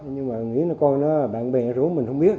nhưng mà nghĩ là con nó bạn bè rủ mình không biết